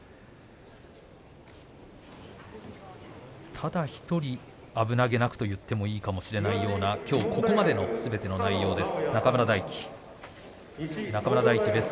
ただ１人、危なげなくと言ってもいいかもしれないような今日ここまでのすべての内容です